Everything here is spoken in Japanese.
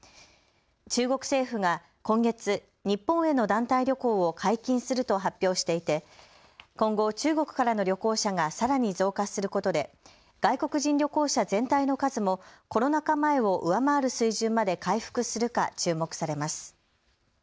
中国政府が今月、日本への団体旅行を解禁すると発表していて今後、中国からの旅行者がさらに増加することで外国人旅行者全体の数もコロナ禍前を上回る水準まで回復するか注目されます。